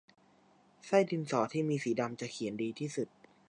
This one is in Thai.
ไส้ดินสอที่มีสีดำจะเขียนดีที่สุด